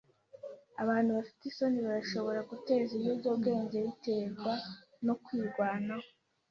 Abantu bafite isoni barashobora guteza ibiyobyabwenge biterwa no kwirwanaho.